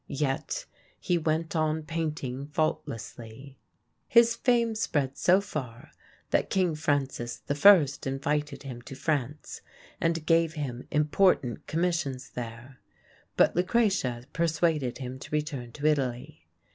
Yet he went on painting faultlessly. His fame spread so far that King Francis I invited him to France, and gave him important commissions there. But Lucrezia persuaded him to return to Italy.